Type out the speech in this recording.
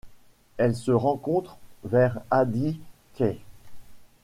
Elle se rencontre vers Adi Keyh.